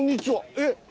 えっ？